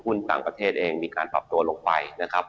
ต่างประเทศเองมีการปรับตัวลงไปนะครับ